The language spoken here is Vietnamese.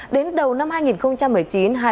đến đầu năm hai nghìn một mươi chín